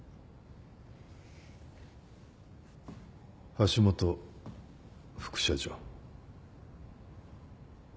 橋本副社長。